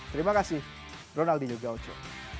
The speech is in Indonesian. terima kasih ronaldinho gaucho